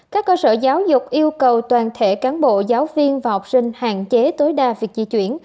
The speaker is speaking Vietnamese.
các cơ sở giáo dục yêu cầu toàn thể cán bộ giáo viên và học sinh hạn chế tối đa việc di chuyển